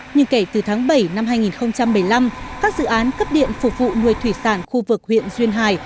nhưng kể từ tháng bảy năm hai nghìn một mươi năm các dự án cấp điện phục vụ nuôi thủy sản khu vực huyện duyên hải